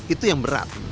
itu yang berat